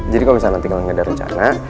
jadi kalo misalnya tinggal ngeda rencana